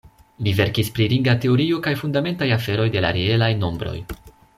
Li verkis pri ringa teorio kaj fundamentaj aferoj de la reelaj nombroj.